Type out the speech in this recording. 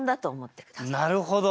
なるほど。